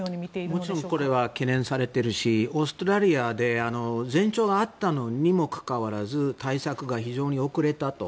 もちろんこれは懸念されているしオーストラリアで前兆があったのにもかかわらず対策が非常に遅れたと。